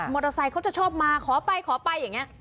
มอเตอร์ไซค์เขาจะชอบมาขอไปอย่างนี้